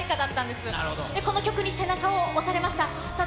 で、この曲に背中を押されました。